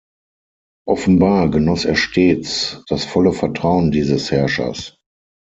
Offenbar genoss er stets das volle Vertrauen dieses Herrschers.